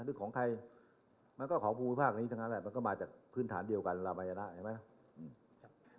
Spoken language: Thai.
หรือของใครมันก็ของภูมิภาคนี้ทั้งนั้นแหละมันก็มาจากพื้นฐานเดียวกันลามัยนะใช่ไหม